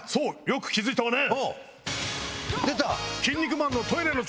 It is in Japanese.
よく気付いたわね！